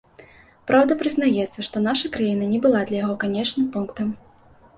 Праўда, прызнаецца, што наша краіна не была для яго канечным пунктам.